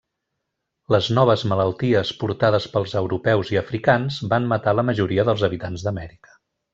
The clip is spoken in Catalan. Les noves malalties portades pels europeus i africans van matar la majoria dels habitants d'Amèrica.